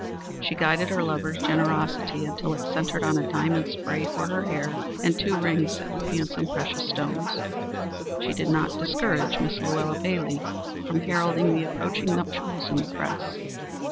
She guided her lover's generosity until it centred on a diamond spray for her hair and two rings set with handsome precious stones. She did not discourage Miss Luella Bailey from heralding the approaching nuptials in the press.